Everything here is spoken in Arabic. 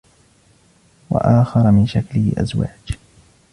وَآخَرُ مِنْ شَكْلِهِ أَزْوَاجٌ